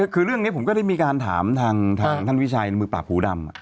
คือเรื่องนี้ผมก็ได้มีการถามทางท่านวิชัยมือปราบหูดำ